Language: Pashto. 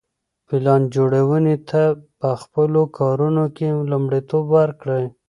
پلان جوړوني ته په خپلو کارونو کي لومړیتوب ورکړئ.